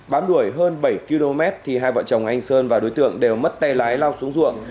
bám đuổi hơn bảy km thì hai vợ chồng anh sơn và đối tượng đều mất tay lái lao xuống ruộng